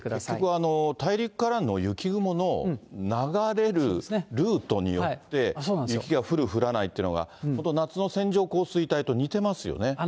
結局、大陸からの雪雲の流れるルートによって雪が降る、降らないというのは、本当夏の線状降水帯と似てますよね。